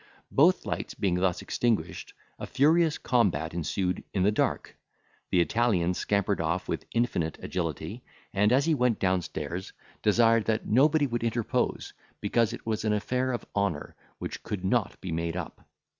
Both lights being thus extinguished, a furious combat ensued in the dark; the Italian scampered off with infinite agility, and, as he went downstairs, desired that nobody would interpose, because it was an affair of honour, which could not be made up.